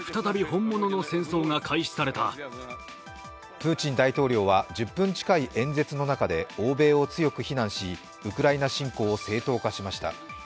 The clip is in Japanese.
プーチン大統領は１０分近い演説の中で欧米を強く非難しウクライナ侵攻を正当化しました。